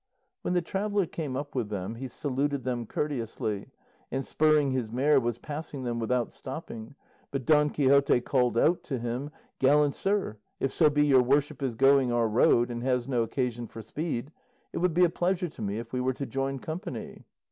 When the traveller came up with them he saluted them courteously, and spurring his mare was passing them without stopping, but Don Quixote called out to him, "Gallant sir, if so be your worship is going our road, and has no occasion for speed, it would be a pleasure to me if we were to join company."